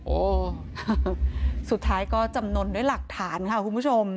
โอ้สุดท้ายก็จำนวนด้วยหลักฐานค่ะคุณผู้ชม